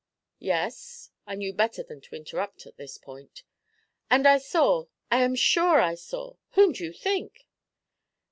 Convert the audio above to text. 'Yes?' I knew better than to interrupt at this point. 'And I saw, I am sure I saw whom do you think?'